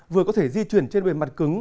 vừa có thể di chuyển trên bề mặt cứng